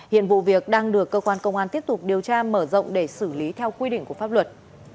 hiện vụ việc đang được cơ quan công an tiếp tục điều tra mở rộng để xử lý theo quy định của pháp luật